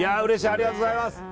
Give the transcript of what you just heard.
ありがとうございます！